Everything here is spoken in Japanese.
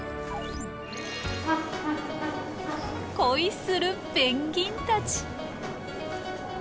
恋するペンギンたち。